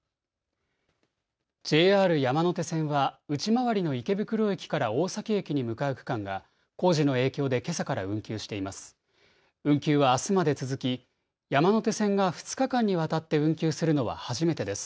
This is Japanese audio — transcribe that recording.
ＪＲ山手線は内回りの池袋駅から大崎駅に向かう区間が工事の影響でけさから運休しています。